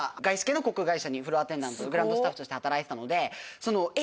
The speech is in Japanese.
フロアアテンダントグランドスタッフとして働いてたので。